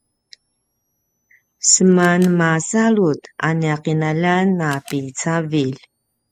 seman masalut a nia qinaljan a picavilj